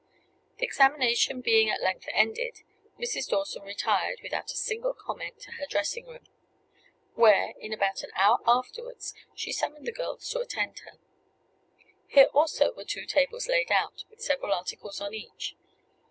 The examination being at length ended, Mrs. Dawson retired, without a single comment, to her dressing room; where, in about an hour afterwards, she summoned the girls to attend her. Here also were two tables laid out, with several articles on each.